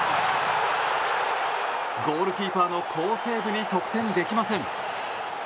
ゴールキーパーの好セーブに得点できません。